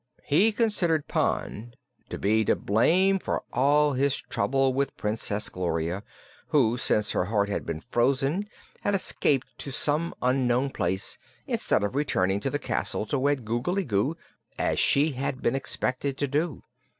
He considered Pon to be to blame for all his trouble with Princess Gloria, who since her heart had been frozen had escaped to some unknown place, instead of returning to the castle to wed Googly Goo, as she had been expected to do.